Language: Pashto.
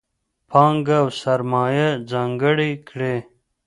پانګه او سرمایه ځانګړې کړي.